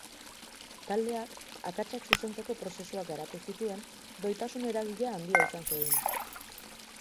Taldeak akatsak zuzentzeko prozesuak garatu zituen, doitasun eragilea handia izan zedin.